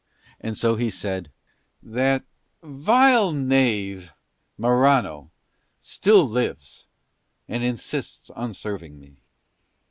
And so he said: "That vile knave Morano still lives and insists on serving me."